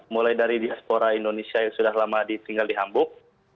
mulai dari diaspora indonesia yang sudah lama tinggal di hamburg